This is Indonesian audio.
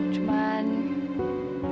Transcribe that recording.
cuma kamu benar sih